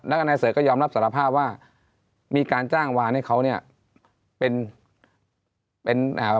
แล้วก็นายเสิร์ชก็ยอมรับสารภาพว่ามีการจ้างวานให้เขาเนี่ยเป็นเป็นอ่า